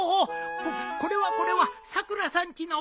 こっこれはこれはさくらさんちの奥さま。